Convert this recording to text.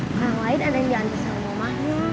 orang lain ada yang diantus sama mamahnya